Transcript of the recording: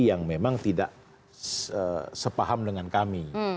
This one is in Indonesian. yang memang tidak sepaham dengan kami